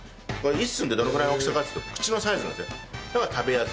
１寸ってどのぐらいの大きさかっていうと口のサイズなんですね。